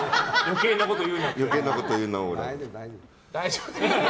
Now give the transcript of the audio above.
余計なこと言うなオーラ。